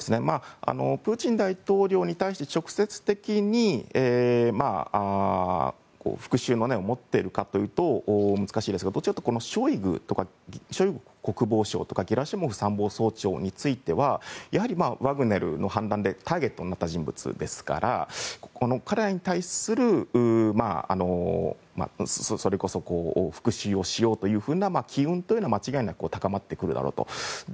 プーチン大統領に対して直接的に復讐の念を持っているかというと難しいですがどちらかというとこのショイグ国防相とかゲラシモフ参謀総長についてはやはり、ワグネルの反乱でターゲットになった人物ですから彼らに対するそれこそ復讐をしようという気運というのは間違いなく高まってくるだろうと。